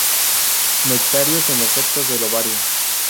Nectarios en los septos del ovario.